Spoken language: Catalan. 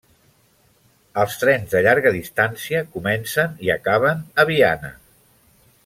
Els trens de llarga distància comencen i acaben a Viana.